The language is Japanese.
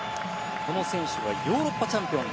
この選手はヨーロッパチャンピオン。